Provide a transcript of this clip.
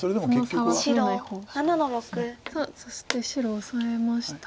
さあそして白オサえました。